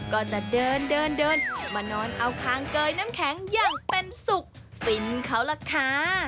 ก็จะเดินเดินมานอนเอาคางเกยน้ำแข็งอย่างเป็นสุขฟินเขาล่ะค่ะ